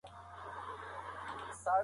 د بازار حقیقتونه مې په رڼا ورځ ولیدل.